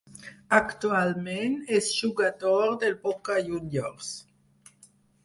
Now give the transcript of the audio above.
Actualment és jugador del Boca Juniors.